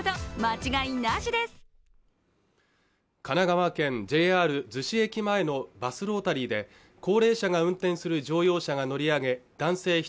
神奈川県ＪＲ逗子駅前のバスロータリーで高齢者が運転する乗用車が乗り上げ男性